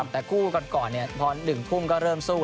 แต่คู่ก่อนพอ๑ทุ่มก็เริ่มสู้